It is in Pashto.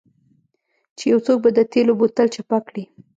چې یو څوک به د تیلو بوتل چپه کړي